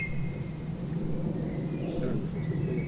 Estaba muy enferma.